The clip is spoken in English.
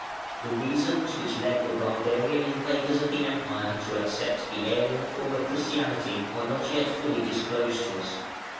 The reasons which led the barbarian invaders of the Empire to accept the Arian form of Christianity are not yet fully disclosed to us.